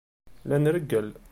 La nreggel.